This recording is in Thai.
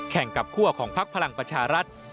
แข่งกับคั่วของพักพลังประชารัฐ